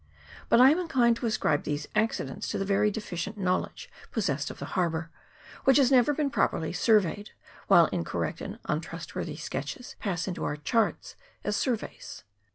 But I am inclined to ascribe these accidents to the very deficient knowledge possessed of the harbour, which has never been properly surveyed, while incorrect and untrustworthy sketches pass into our charts as surveys.